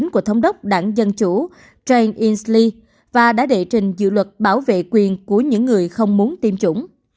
của chủ jane inslee và đã đệ trình dự luật bảo vệ quyền của những người không muốn tiêm chủng